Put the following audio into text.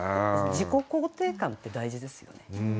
自己肯定感って大事ですよね。